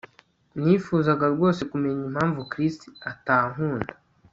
Nifuzaga rwose kumenya impamvu Chris atankunda